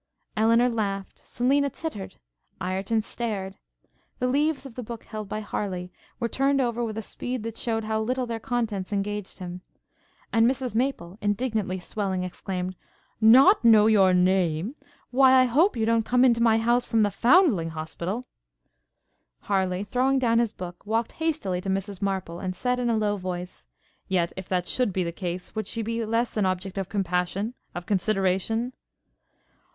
Elinor laughed; Selina tittered; Ireton stared; the leaves of the book held by Harleigh were turned over with a speed that shewed how little their contents engaged him; and Mrs Maple, indignantly swelling, exclaimed, 'Not know your own name? Why I hope you don't come into my house from the Foundling Hospital?' Harleigh, throwing down his book, walked hastily to Mrs Maple, and said, in a low voice, 'Yet, if that should be the case, would she be less an object of compassion? of consideration?'